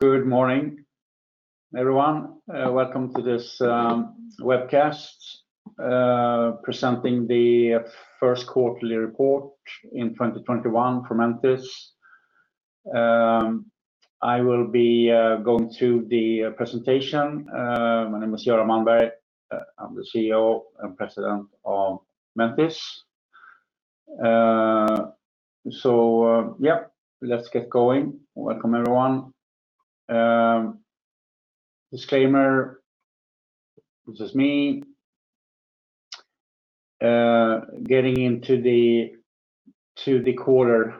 Good morning, everyone. Welcome to this webcast presenting the First Quarterly Report in 2021 from Mentice. I will be going through the presentation. My name is Göran Malmberg. I'm the CEO and President of Mentice. Let's get going. Welcome, everyone. Disclaimer, this is me. Getting into the quarter.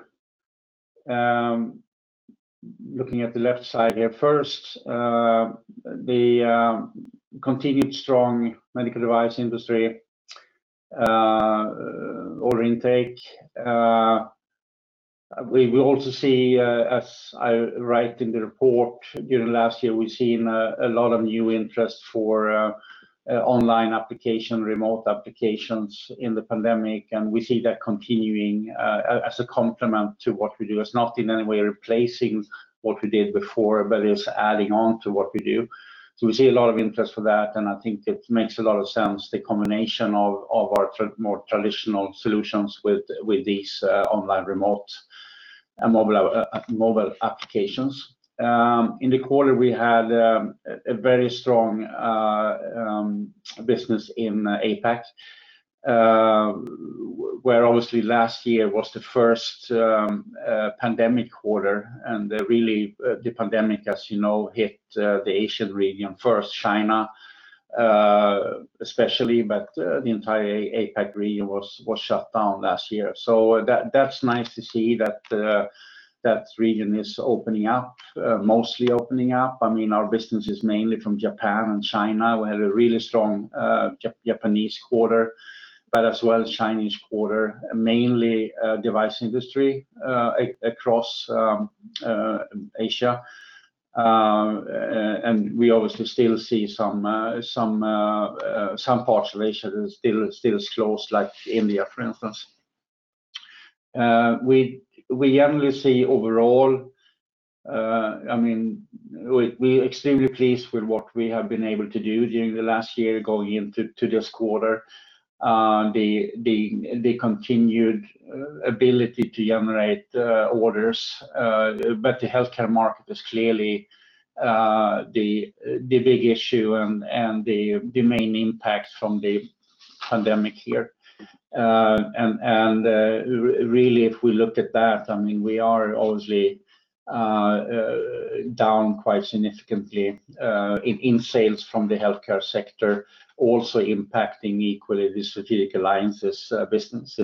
Looking at the left side here first, the continued strong medical device industry order intake. We also see, as I write in the report, during last year, we've seen a lot of new interest for online application, remote applications in the pandemic, and we see that continuing as a complement to what we do. It's not in any way replacing what we did before, but it's adding on to what we do. We see a lot of interest for that, and I think it makes a lot of sense, the combination of our more traditional solutions with these online remote and mobile applications. In the quarter, we had a very strong business in APAC, where obviously last year was the first pandemic quarter, and really, the pandemic, as you know, hit the Asian region first, China especially, but the entire APAC region was shut down last year. That's nice to see that region is opening up, mostly opening up. Our business is mainly from Japan and China. We had a really strong Japanese quarter, but as well as Chinese quarter, mainly device industry across Asia. We obviously still see some parts of Asia that are still closed, like India, for instance. We generally see overall, we're extremely pleased with what we have been able to do during the last year going into this quarter. The continued ability to generate orders, but the healthcare market is clearly the big issue and the main impact from the pandemic here. Really, if we look at that, we are obviously down quite significantly in sales from the healthcare sector, also impacting equally the Strategic Alliances business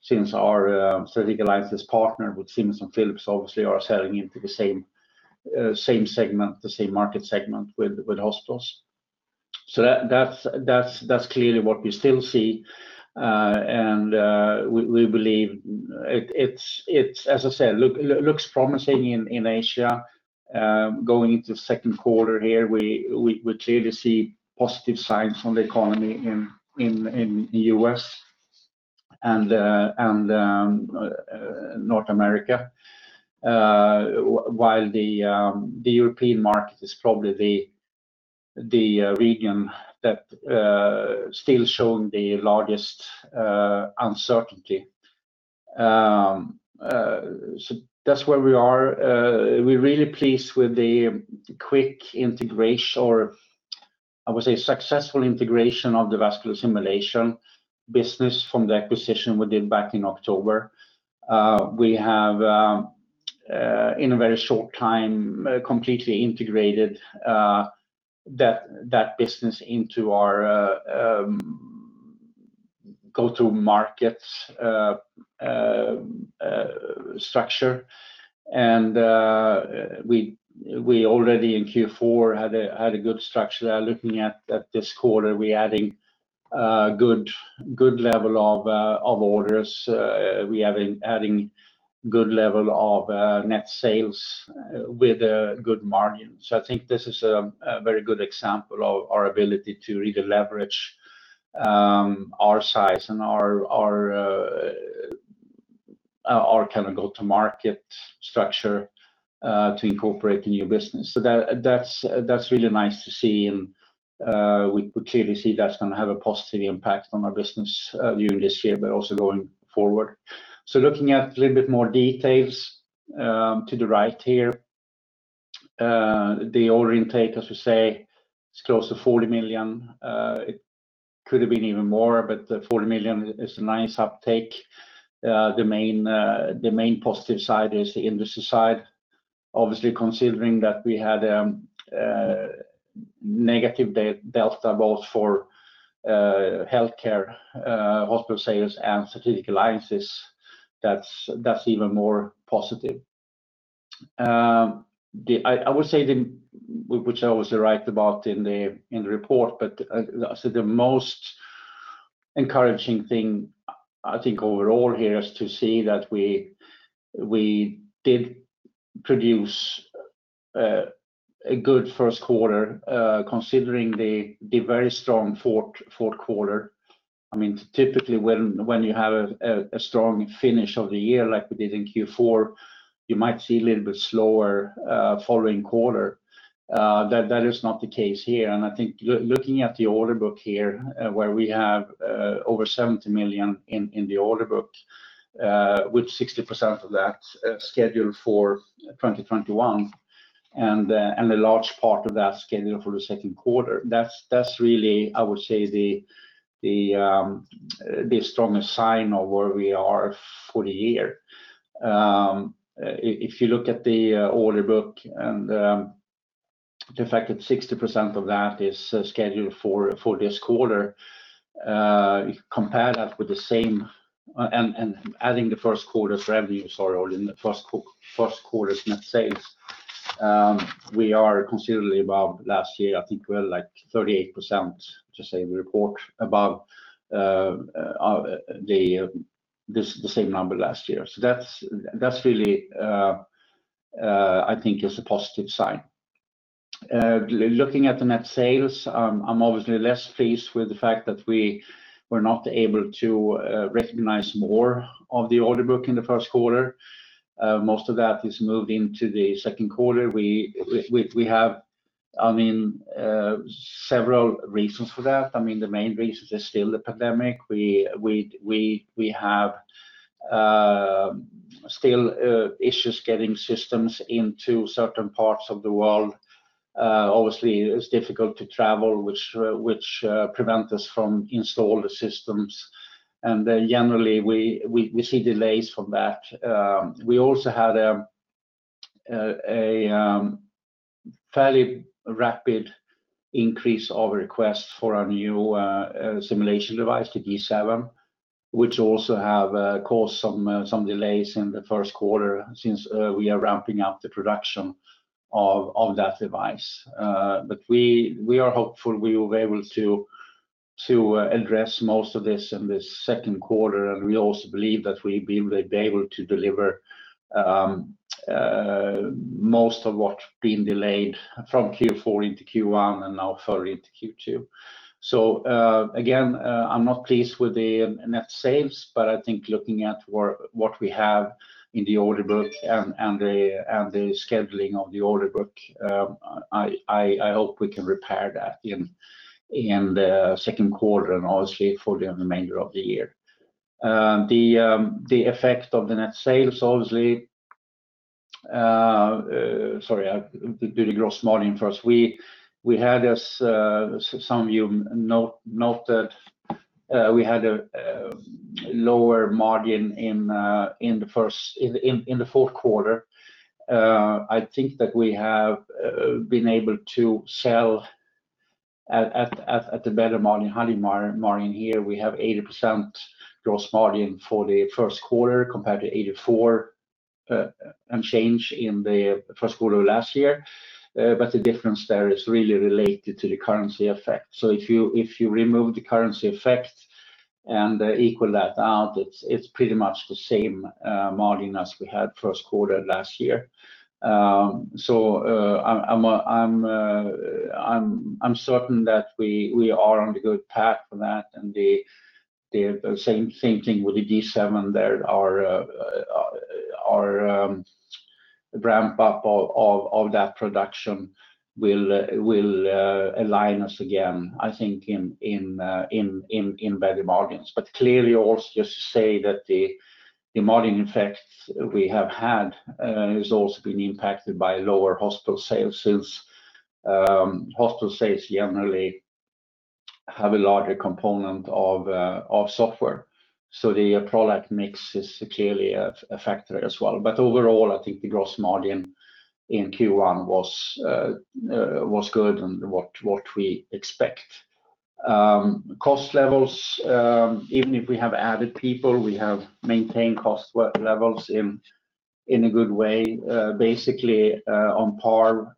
since our Strategic Alliances partner with Siemens and Philips obviously are selling into the same market segment with hospitals. That's clearly what we still see, and we believe it, as I said, looks promising in Asia. Going into the second quarter here, we clearly see positive signs from the economy in U.S. and North America, while the European market is probably the region that still shown the largest uncertainty. That's where we are. We're really pleased with the quick integration, or I would say successful integration of the Vascular Simulations business from the acquisition we did back in October. We have, in a very short time, completely integrated that business into our go-to-market structure. We already in Q4 had a good structure there. Looking at this quarter, we adding good level of orders. We adding good level of net sales with a good margin. I think this is a very good example of our ability to really leverage our size and our go-to-market structure to incorporate the new business. That's really nice to see, and we clearly see that's going to have a positive impact on our business during this year, but also going forward. Looking at a little bit more details to the right here. The order intake, as we say, is close to 40 million. It could have been even more, but the 40 million is a nice uptake. The main positive side is the industry side, obviously, considering that we had negative delta both for healthcare hospital sales and Strategic Alliances. That's even more positive. I would say, which I also write about in the report, but the most encouraging thing I think overall here is to see that we did produce a good first quarter, considering the very strong fourth quarter. Typically, when you have a strong finish of the year, like we did in Q4, you might see a little bit slower following quarter. That is not the case here. I think looking at the order book here, where we have over 70 million in the order book, with 60% of that scheduled for 2021 and a large part of that scheduled for the second quarter, that's really, I would say, the strongest sign of where we are for the year. If you look at the order book and the fact that 60% of that is scheduled for this quarter, compare that with the same and adding the first quarter's revenue, sorry, or in the first quarter's net sales, we are considerably above last year. I think we're 38%, to say we report above the same number last year. That really, I think, is a positive sign. Looking at the net sales, I'm obviously less pleased with the fact that we were not able to recognize more of the order book in the first quarter. Most of that is moved into the second quarter. We have several reasons for that. The main reason is still the pandemic. We have still issues getting systems into certain parts of the world. Obviously, it's difficult to travel, which prevent us from install the systems. Generally, we see delays from that. We also had a fairly rapid increase of requests for our new simulation device, the VIST G7, which also have caused some delays in the first quarter since we are ramping up the production of that device. We are hopeful we will be able to address most of this in the second quarter. We also believe that we will be able to deliver most of what's been delayed from Q4 into Q1, and now further into Q2. Again, I'm not pleased with the net sales, but I think looking at what we have in the order book and the scheduling of the order book, I hope we can repair that in the second quarter and obviously for the remainder of the year. The effect of the net sales, Sorry, I'll do the gross margin first. As some of you noted, we had a lower margin in the fourth quarter. I think that we have been able to sell at a better margin, higher margin here. We have 80% gross margin for the first quarter compared to 84 and change in the first quarter of last year. The difference there is really related to the currency effect. If you remove the currency effect and equal that out, it's pretty much the same margin as we had first quarter last year. I'm certain that we are on the good path for that. The same thing with the VIST G7. There our ramp-up of that production will align us again, I think, in better margins. Clearly also just to say that the margin effects we have had has also been impacted by lower hospital sales since hospital sales generally have a larger component of software. The product mix is clearly a factor as well. Overall, I think the gross margin in Q1 was good and what we expect. Cost levels, even if we have added people, we have maintained cost work levels in a good way, basically on par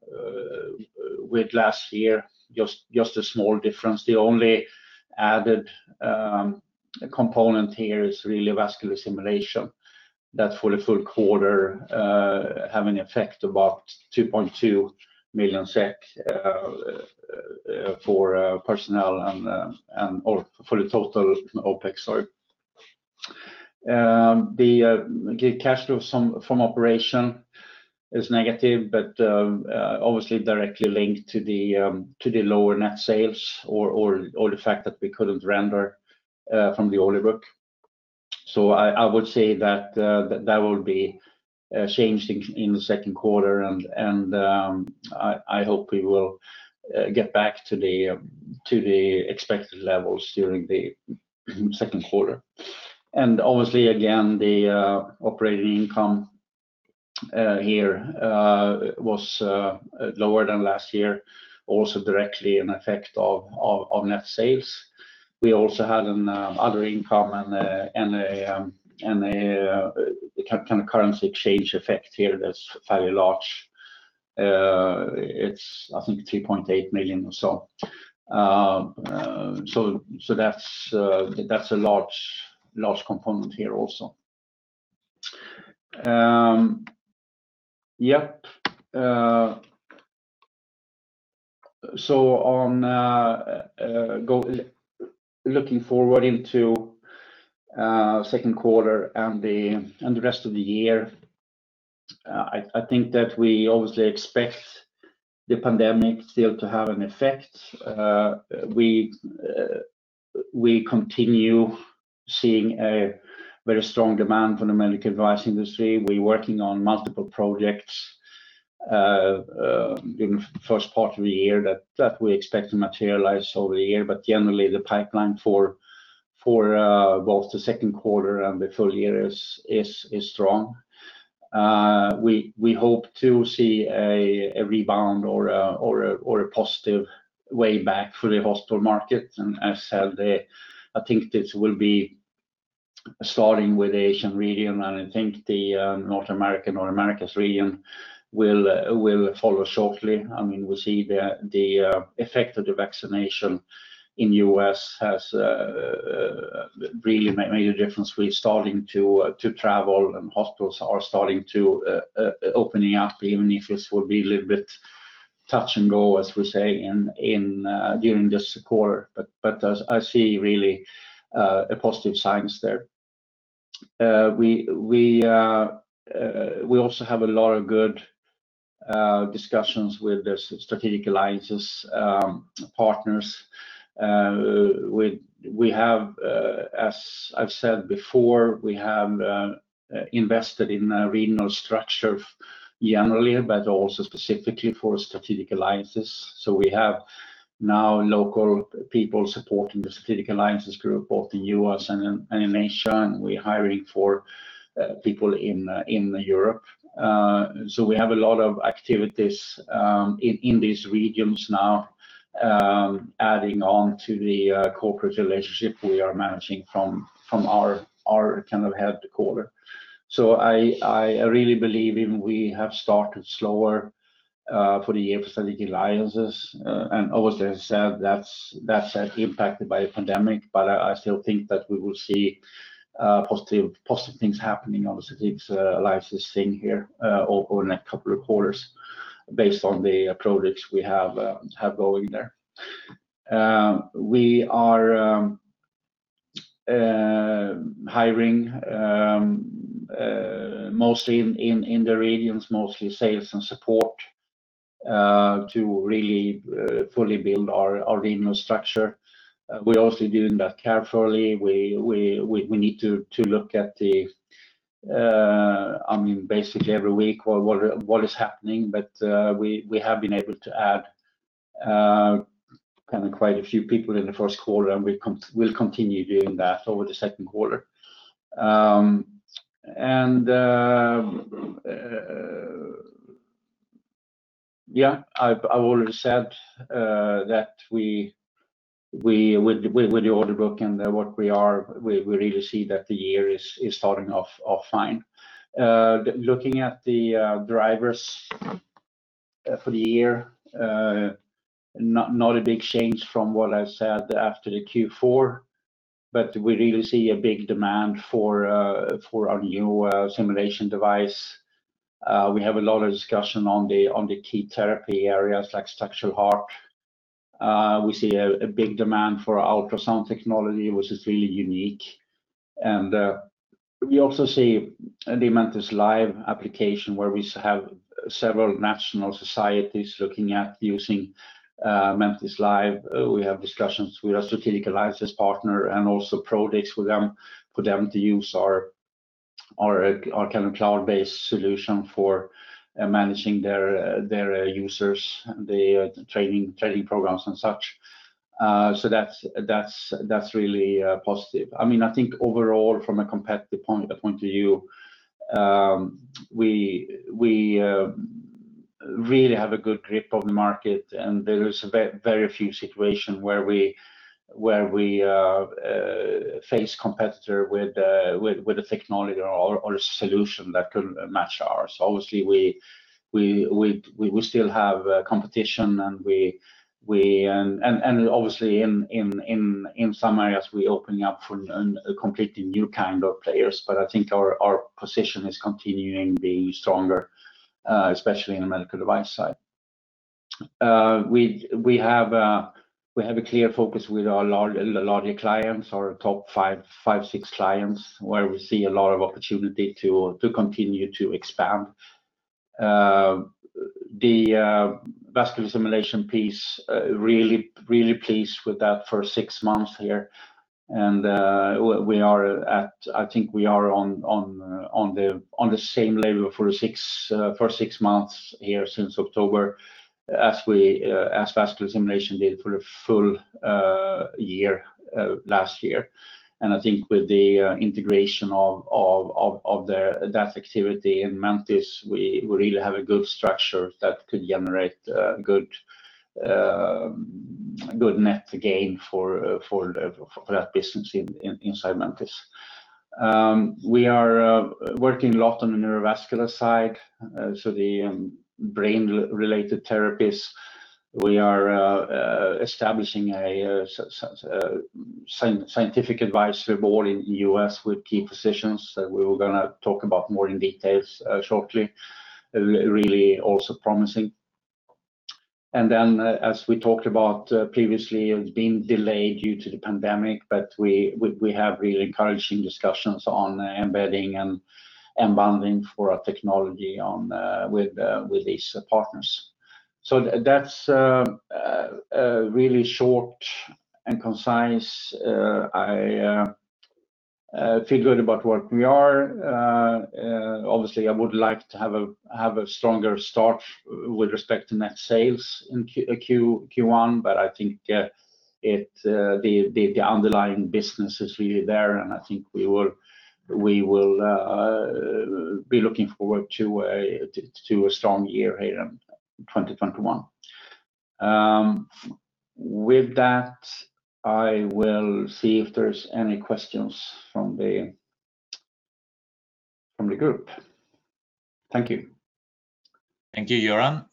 with last year, just a small difference. The only added component here is really Vascular Simulations. That for the full quarter have an effect about 2.2 million SEK for personnel and for the total OPEX, sorry. The cash flow from operation is negative, but obviously directly linked to the lower net sales or the fact that we couldn't render from the order book. I would say that will be changed in the second quarter, and I hope we will get back to the expected levels during the second quarter. Obviously, again, the operating income here was lower than last year, also directly an effect of net sales. We also had other income and the kind of currency exchange effect here that's fairly large. It's, I think, 3.8 million or so. That's a large component here also. Yep. Looking forward into second quarter and the rest of the year, I think that we obviously expect the pandemic still to have an effect. We continue seeing a very strong demand from the medical device industry. Generally, the pipeline for both the second quarter and the full-year is strong. We hope to see a rebound or a positive way back for the hospital market. As said, I think this will be starting with the Asian region, and I think the North American or Americas region will follow shortly. We see the effect of the vaccination in U.S. has really made a difference. We're starting to travel, and hospitals are starting to opening up, even if it will be a little bit touch and go, as we say, during this quarter. I see really a positive signs there. We also have a lot of good discussions with the Strategic Alliances partners. As I've said before, we have invested in a regional structure generally, but also specifically for strategic alliances. We have now local people supporting the strategic alliances group, both in U.S. and in Asia, and we're hiring for people in Europe. We have a lot of activities in these regions now, adding on to the corporate relationship we are managing from our headquarter. I really believe even we have started slower for the year for strategic alliances. Obviously, as I said, that's impacted by the pandemic, but I still think that we will see positive things happening on the strategic alliances thing here over the next couple of quarters based on the products we have going there. We are hiring mostly in the regions, mostly sales and support, to really fully build our regional structure. We're also doing that carefully. We need to look at basically every week what is happening. We have been able to add quite a few people in the first quarter, and we'll continue doing that over the second quarter. Yeah, I've already said that with the order book and what we are, we really see that the year is starting off fine. Looking at the drivers for the year, not a big change from what I said after the Q4, but we really see a big demand for our new simulation device. We have a lot of discussion on the key therapy areas like structural heart. We see a big demand for ultrasound technology, which is really unique. We also see the Mentice Live application where we have several national societies looking at using Mentice Live. We have discussions with our Strategic Alliances partner and also products for them to use our cloud-based solution for managing their users, the training programs and such. That's really positive. I think overall, from a competitive point of view, we really have a good grip of the market, and there is very few situation where we face competitor with a technology or a solution that couldn't match ours. Obviously, we still have competition, and obviously in some areas, we're opening up for a completely new kind of players. I think our position is continuing being stronger, especially in the medical device side. We have a clear focus with our larger clients, our top five, six clients, where we see a lot of opportunity to continue to expand. The vascular simulation piece, really pleased with that for six months here. I think we are on the same level for six months here since October as Vascular Simulations did for the full-year last year. I think with the integration of that activity in Mentice, we really have a good structure that could generate a good net gain for that business inside Mentice. We are working a lot on the neurovascular side, so the brain-related therapies. Establishing a scientific advisory board in the U.S. with key positions that we were going to talk about more in details shortly, really also promising. As we talked about previously, it's been delayed due to the pandemic, but we have really encouraging discussions on embedding and bundling for our technology with these partners. That's really short and concise. I feel good about where we are. I would like to have a stronger start with respect to net sales in Q1. I think the underlying business is really there. I think we will be looking forward to a strong year here in 2021. With that, I will see if there is any questions from the group. Thank you. Thank you, Göran.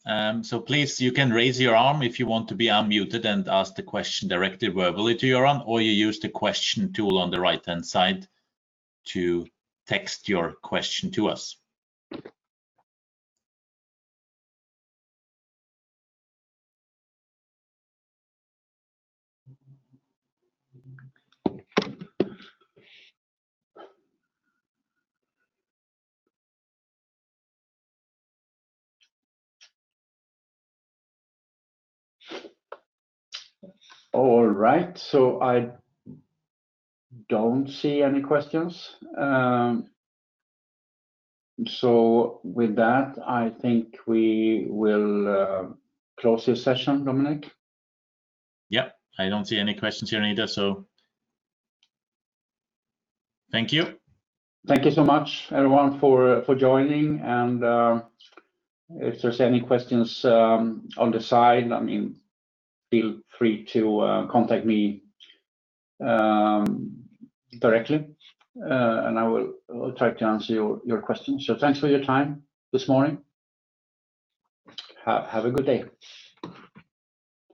Please, you can raise your arm if you want to be unmuted and ask the question directly verbally to Göran, or you use the question tool on the right-hand side to text your question to us. All right. I don't see any questions. With that, I think we will close this session, Dominic. Yep. I don't see any questions here either, so thank you. Thank you so much, everyone, for joining. If there's any questions on the side, feel free to contact me directly, and I will try to answer your questions. Thanks for your time this morning. Have a good day.